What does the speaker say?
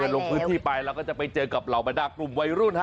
ลงพื้นที่ไปเราก็จะไปเจอกับเหล่าบรรดากลุ่มวัยรุ่น